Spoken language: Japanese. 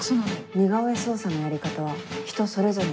似顔絵捜査のやり方は人それぞれなの。